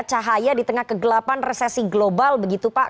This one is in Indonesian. cahaya di tengah kegelapan resesi global begitu pak